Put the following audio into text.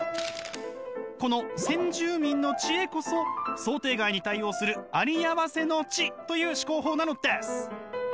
この先住民の知恵こそ想定外に対応するありあわせの知という思考法なのです！